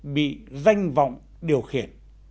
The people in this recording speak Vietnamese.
bị danh vọng điều khiển